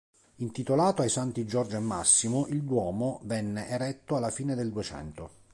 Intitolato ai santi Giorgio e Massimo, il Duomo venne eretto alla fine del Duecento.